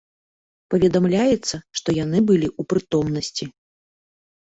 Паведамляецца, што яны былі ў прытомнасці.